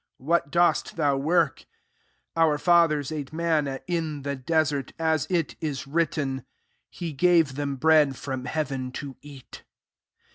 what dost thou work ? 31 Our fathers ate manna in the desert : as it is written, ' He gave them bread from heaven to eat.'